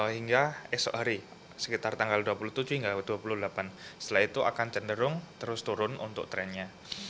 hingga esok hari sekitar tanggal dua puluh tujuh hingga dua puluh delapan setelah itu akan cenderung terus turun untuk trennya